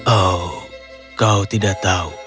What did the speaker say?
oh kau tidak tahu